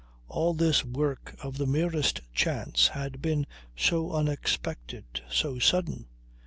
All this work of the merest chance had been so unexpected, so sudden.